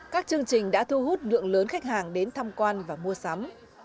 các chương trình đã thu hút lượng lớn khách hàng đến tham quan và mua sắm